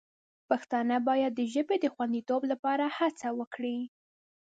پښتانه باید د ژبې د خوندیتوب لپاره هڅه وکړي.